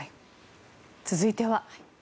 続いては。